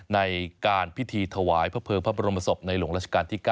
ในการพิธีถวายพระเภิงพระบรมศพในหลวงราชการที่๙